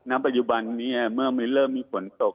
ปัจจุบันนี้เมื่อเริ่มมีฝนตก